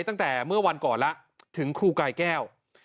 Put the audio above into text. ตั้งแต่เมื่อวันก่อนแล้วถึงครูกายแก้ว